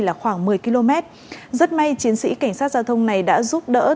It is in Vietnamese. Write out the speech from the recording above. là khoảng một mươi km rất may chiến sĩ cảnh sát giao thông này đã giúp đỡ